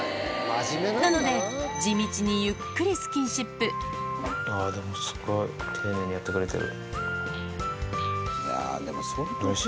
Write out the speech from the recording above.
なので、地道にゆっくりスキンシでもすごい丁寧にやってくれてる。